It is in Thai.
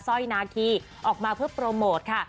ร้อยนาคีออกมาเพื่อโปรโมทค่ะ